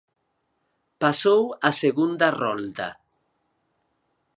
Pasou a segunda rolda.